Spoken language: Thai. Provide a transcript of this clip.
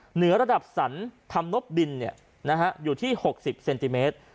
เหนือระดับสันทำนบดินเนี้ยนะฮะอยู่ที่หกสิบเซนติเมตร